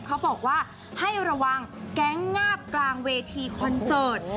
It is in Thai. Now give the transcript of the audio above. เขาบอกว่าให้ระวังแก๊งงาบกลางเวทีคอนเสิร์ต